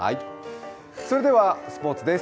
それではスポーツです